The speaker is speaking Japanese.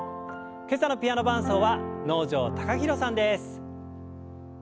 今朝のピアノ伴奏は能條貴大さんです。